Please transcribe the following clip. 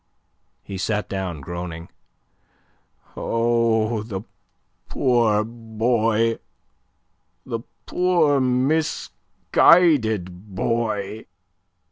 He sat down, groaning. "Oh, the poor boy the poor, misguided boy."